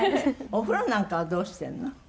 お風呂なんかはどうしてるの？